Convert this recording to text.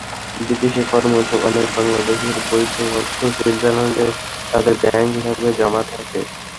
বিদেশে কর্মরত অনেক বাংলাদেশির বৈধ অর্থ সুইজারল্যান্ডে তাঁদের ব্যাংক হিসাবে জমা থাকে।